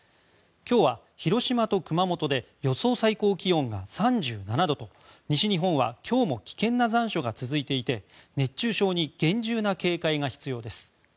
今日は広島と熊本で予想最高気温が３７度と西日本は今日も危険な残暑が続いていて熱中症に厳重な警戒が必要です。